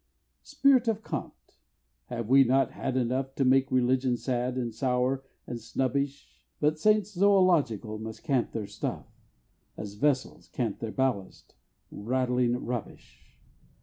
Spirit of Kant! have we not had enough To make religion sad, and sour, and snubbish, But Saints Zoological must cant their stuff, As vessels cant their ballast rattling rubbish!